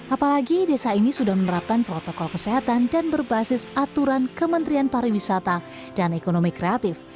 apalagi desa ini sudah menerapkan protokol kesehatan dan berbasis aturan kementerian pariwisata dan ekonomi kreatif